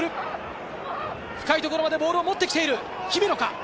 深いところまでボールを持ってきている。